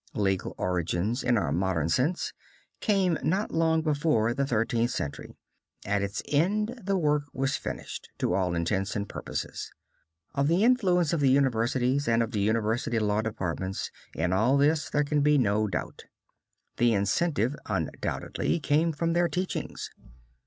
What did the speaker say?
Legal origins, in our modern sense, came not long before the Thirteenth Century; at its end the work was finished, to all intents and purposes. Of the influence of the universities and of the university law departments, in all this there can be no doubt. The incentive, undoubtedly, came from their teachings.